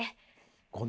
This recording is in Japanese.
５年。